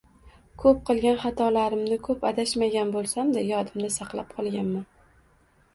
Koʻp qilgan xatolarimni, koʻp adashmagan boʻlsam-da, yodimda saqlab qolganman.